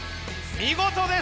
見事です！